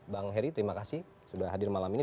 bang heri terima kasih sudah hadir malam ini